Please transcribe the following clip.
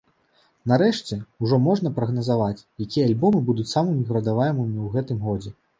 Нарэшце, ужо можна прагназаваць, якія альбомы будуць самымі прадаваемымі ў гэтым годзе.